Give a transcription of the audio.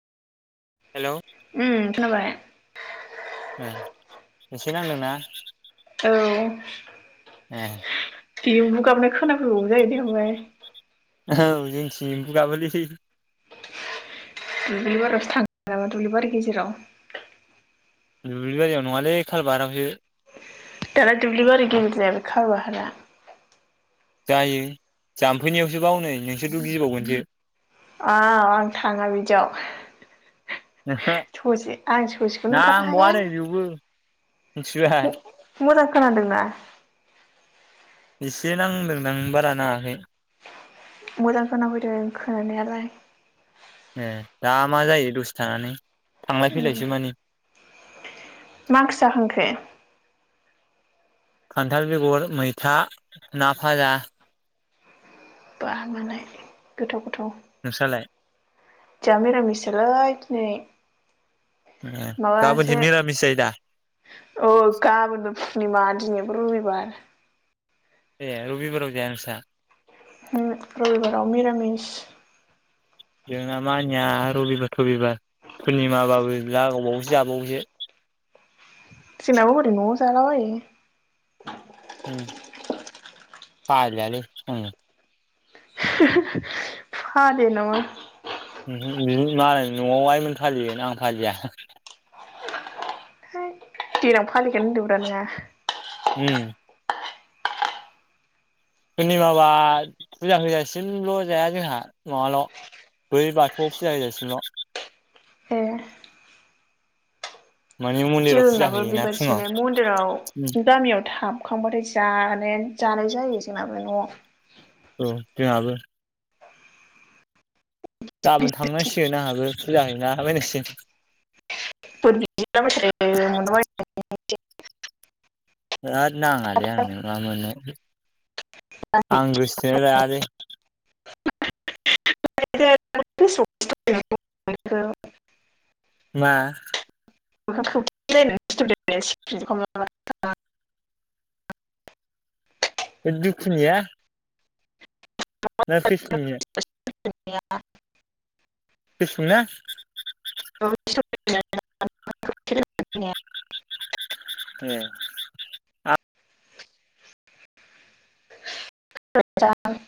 Hello उम खोनाबाय ए एसे नांदोंना औ ए एम्बु गाबना खोनाफैबावो जायो दे उमबा लाय औ जोंथिं एम्बु गाबोलै दुब्लिबारावसो थाङो नामा दुब्लिबारि गेजेराव दुब्लि बारियाव नङालै खाालबारावसो दाना दुब्लिबारि गेन्द्रिया बे खार बाहारा जायो जाम्फैनियावसो बावनै नोंसोरथ' गिबावगोनसो औ आं थाङा बिदियाव ओहो ससे आं ससेखौनो ओंखारनो नांबावा हाया नै बेयावबो मिथिबाय मोजां खोनादोंना एसे नांदोंदां बारा नाङाखै मोजां खोनाफैदों खोनानायालाय ए दा मा जायो दसे थानानै थांलाय फैलायसो मानि मा ओंख्रि जाखांखो खान्थाल बेगर मैथा ना भाजा बा मालाय गोथाव गोथाव नोंसालाय जा मिरामिसोलै दिनै ए गाबोनसो माबासो मिरामिस जायो दा अ गाबोनबो फुर्निमा दिनैबो रबिबार ए रबिबाराव जाया नोंस्रा उम रबिबारावबो मिरामिस जोंना मानिया रबिबार थबिबार पुर्निमाबाबो लागावबावोसो जाबावोसो जोंनाबो हरै न'आव जालाबायो उम फालियालै आङो [unintelligible] फालिया नामा मालाय नआव आइमोन फालियोना आं फालिया देनां फालिगोन होनदोंब्रा नोङा उम पुर्निमाबा फुजा होजासिमल' जाया जोंहा न'आवल' बै बाथौआव फुजा होजासिमल' ए माने मन्दिराव फुजा जोंनाबो होयोना फुङाव बेबादिनो मन्दिराव उम गामियाव थाब खांबाथाय जानायानो जानाय जायो जोंनाबाय न'आव औ जोंहाबो गाबोन थांनांसिगोन आंहाबो फुजा हैैना बायनांसिगोन [unintelligible] [inaudible] होद नाङालै आंनो मा मोनो आं‌ गोसथोनाय लायालै‌ [unintelligible] मा? [unintelligible] दुखुनिया‌ ना फेसबुकनिया‌‌ [unintelligible] फेसबुकना [unintelligible] ए [unintelligible]